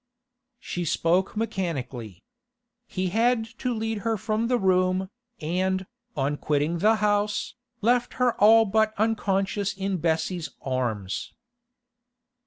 She spoke mechanically. He had to lead her from the room, and, on quitting the house, left her all but unconscious in Bessie's arms.